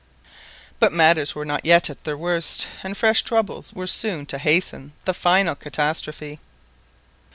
But matters were not yet at their worst, and fresh troubles were soon to hasten the final catastrophe.